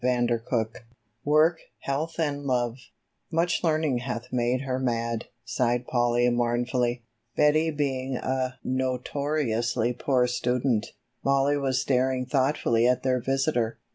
CHAPTER III "WORK, HEALTH AND LOVE" "Much learning hath made her mad," sighed Polly mournfully, Betty being a notoriously poor student. Mollie was staring thoughtfully at their visitor.